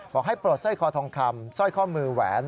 ให้ปลดสร้อยคอทองคำสร้อยข้อมือแหวน